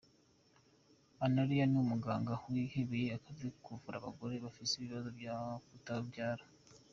Analia ni umuganga yihebeye akazi ko kuvura abagore bafise ikibazo co kutavyara.